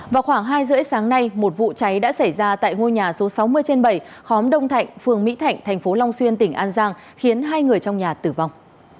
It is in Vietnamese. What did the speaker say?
vào khoảng hai h ba mươi sáng nay một vụ cháy đã xảy ra tại ngôi nhà số sáu mươi trên bảy khóm đông thạnh phường mỹ thạnh thành phố long xuyên tỉnh an giang khiến hai người trong nhà tử vong